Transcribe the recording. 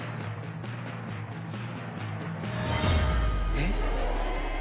えっ？